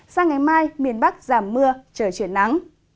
sang ngày mai miền bắc giảm mưa trời chuyển nắng